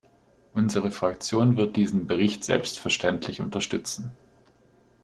Unsere Fraktion wird diesen Bericht selbstverständlich unterstützen.